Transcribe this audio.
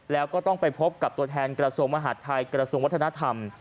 แล้วก็ต้องไปพบกับตัวแทนกระทรวงมหาดไทยกระทรวงวัฒนธรรม